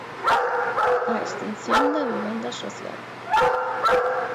'A extinción da vivenda social'.